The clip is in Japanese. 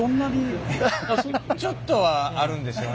ちょっとはあるんでしょうね。